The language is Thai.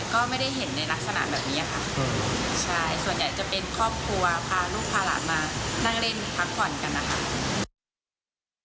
ก็ไม่ได้เห็นในลักษณะแบบนี้ค่ะ